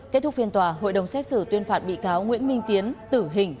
kết thúc phiên tòa hội đồng xét xử tuyên phạt bị cáo nguyễn minh tiến tử hình